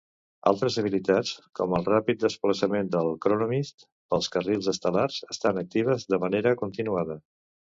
Altres habilitats, com el ràpid desplaçament del Chronomyst pels carrils estel·lars, estan actives de manera continuada.